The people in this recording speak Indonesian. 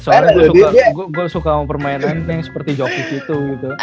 karena gue suka sama permainannya yang seperti jokik gitu gitu